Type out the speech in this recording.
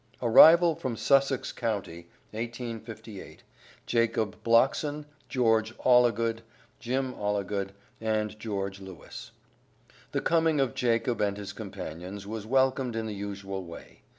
ARRIVAL FROM SUSSEX COUNTY, 1858. JACOB BLOCKSON, GEORGE ALLIGOOD, JIM ALLIGOOD, AND GEORGE LEWIS. The coming of Jacob and his companions was welcomed in the usual way.